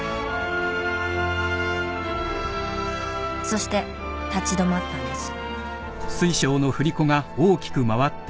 そして立ち止まったんです。